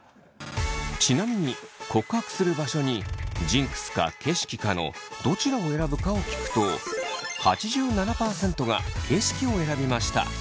ちなみに告白する場所にジンクスか景色かのどちらを選ぶかを聞くと８７％が景色を選びました。